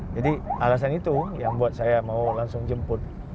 jadi alasan itu yang buat saya mau langsung jemput